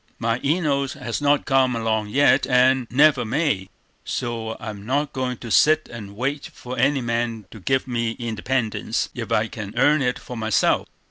"My Enos has not come along yet, and never may; so I'm not going to sit and wait for any man to give me independence, if I can earn it for myself."